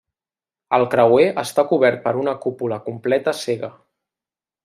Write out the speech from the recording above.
El creuer està cobert per una cúpula completa cega.